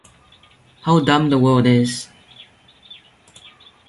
How dumb the world is.